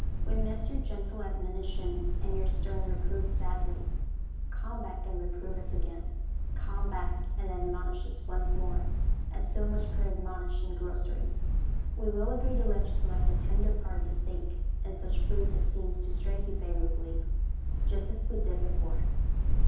We miss your gentle admonitions and your stern reproofs sadly. Come back and reprove us again. Come back and admonish us once more, at so much per admonish and groceries. [Illustration: "WE HOPE YOU WILL DO THE SAME BY US."] We will agree to let you select the tender part of the steak, and such fruit as seems to strike you favorably, just as we did before.